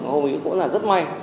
hôm ấy cũng là rất may